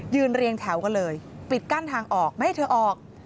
เรียงแถวกันเลยปิดกั้นทางออกไม่ให้เธอออก